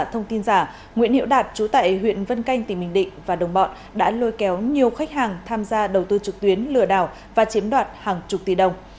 thông tin giả nguyễn hiễu đạt trú tại huyện vân canh tỉnh bình định và đồng bọn đã lôi kéo nhiều khách hàng tham gia đầu tư trực tuyến lừa đảo và chiếm đoạt hàng chục tỷ đồng